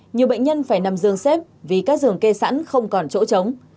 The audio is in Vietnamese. nhiều bệnh nhân phải nằm dương xếp vì các giường kê sẵn không còn chỗ chống